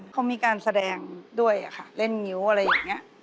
เขามีการแสดงด้วยค่ะเล่นงิ้วอะไรอย่างนี้